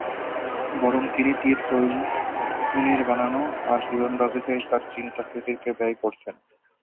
বরং তিনি তীর তৈরী, তুনীর বানানো আর তীরন্দাজিতেই তাঁর চিন্তা ফিকিরকে ব্যয় করতেন।